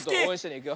いくよ。